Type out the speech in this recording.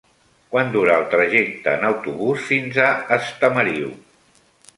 Quant dura el trajecte en autobús fins a Estamariu?